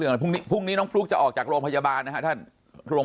เรื่องพรุ่งนี้น้องพลุกจะออกจากโรงพยาบาลนะครับท่านโรง